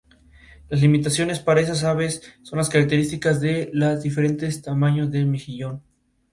Las limitaciones para estas aves son las características de los diferentes tamaños de mejillón.